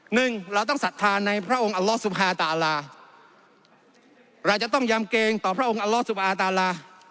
หนึ่งเราต้องศรัทธาในพระองค์อัลลอสุภาตาลาเราจะต้องยำเกงต่อพระองค์อัลลอสุภาตารา